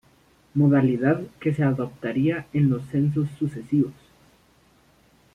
Modalidad que se adoptaría en los censos sucesivos.